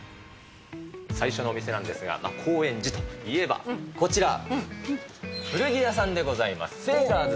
最初のお店なんですが、高円寺といえばこちら、古着屋さんでございます。